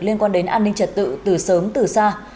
liên quan đến an ninh trật tự từ sớm từ xa